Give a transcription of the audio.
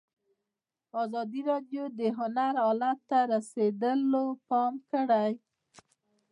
ازادي راډیو د هنر حالت ته رسېدلي پام کړی.